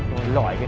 điều này nói với bà